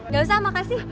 gak usah makasih